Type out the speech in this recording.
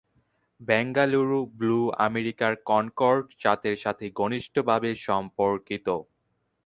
Bengaluru blue আমেরিকার Concord জাতের সাথে ঘনিষ্ঠভাবে সম্পর্কিত।